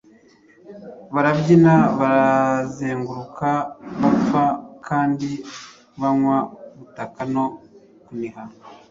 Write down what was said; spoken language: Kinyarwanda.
Barabyina bazenguruka bapfa kandi banywa gutaka no kuniha,